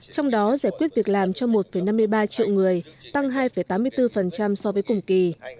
trong đó giải quyết việc làm cho một năm mươi ba triệu người tăng hai tám mươi bốn so với cùng kỳ